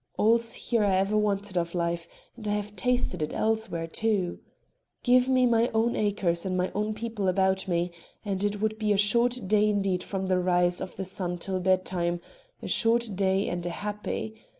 All's here I ever wanted of life, and I have tasted it elsewhere, too. Give me my own acres and my own people about me, and it would be a short day indeed from the rise of the sun till bedtime a short day and a happy.